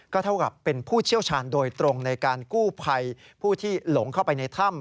เท่ากับเป็นผู้เชี่ยวชาญโดยตรงในการกู้ภัยผู้ที่หลงเข้าไปในถ้ำ